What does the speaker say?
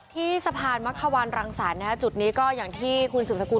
ที่สะพานมักขวานรังสรรคจุดนี้ก็อย่างที่คุณสุบสกุล